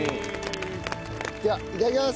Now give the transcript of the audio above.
ではいただきます！